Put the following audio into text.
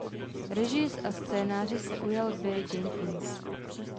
Režie a scénáře se ujal Barry Jenkins.